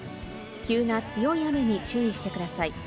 急な強い雨に注意してください。